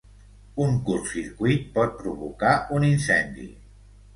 Un curtcircuit pot provocar un incendi.